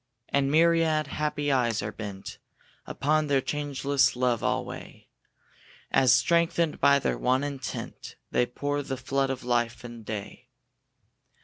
And myriad happy eyes are bent Upon their changeless love alway; As, strengthened by their one intent, They pour the flood of life and day.